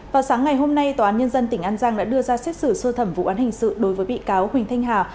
vào sáng ngày hôm nay tòa án nhân dân tỉnh an giang đã đưa ra xét xử sơ thẩm vụ án hình sự đối với bị cáo huỳnh thanh hà